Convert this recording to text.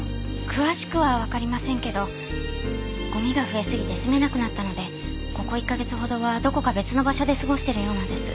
詳しくはわかりませんけどゴミが増えすぎて住めなくなったのでここ１か月程はどこか別の場所で過ごしてるようなんです。